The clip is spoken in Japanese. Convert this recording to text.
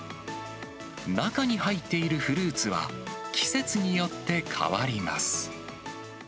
中に入っているフルーツは、季節によって変わります。